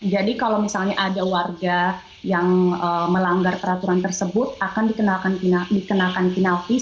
jadi kalau misalnya ada warga yang melanggar peraturan tersebut akan dikenalkan kinaltis